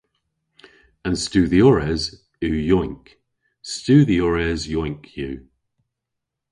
An studhyores yw yowynk. Studhyores yowynk yw.